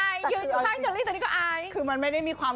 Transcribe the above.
อายไหมอายตกกว่าอายยืนทางเฉลี่ยเต็มที่ก็อาย